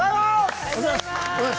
おはようございます！